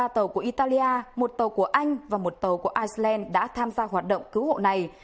ba tàu của italia một tàu của anh và một tàu của iceland đã tham gia hoạt động cứu hộ này